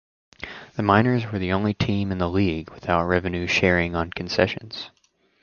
The Miners were the only team in the league without revenue sharing on concessions.